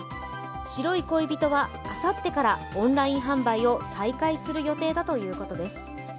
白い恋人は、あさってからオンライン販売を再開する予定だということです。